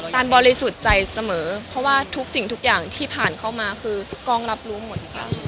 นบริสุทธิ์ใจเสมอเพราะว่าทุกสิ่งทุกอย่างที่ผ่านเข้ามาคือกล้องรับรู้หมดค่ะ